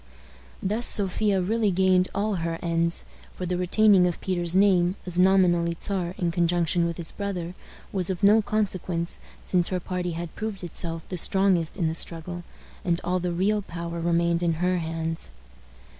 Thus Sophia really gained all her ends; for the retaining of Peter's name, as nominally Czar in conjunction with his brother, was of no consequence, since her party had proved itself the strongest in the struggle, and all the real power remained in her hands.